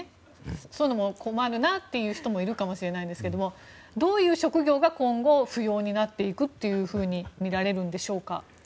そういうのも困るなという人がいるかもしれないんですけどもどういう職業が今後、不要になっていくとみられるんでしょうか。